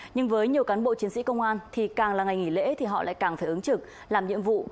nhưng với nhiều cán bộ chiến sĩ công an thì càng là ngày nghỉ lễ thì họ lại càng phải ứng trực làm nhiệm vụ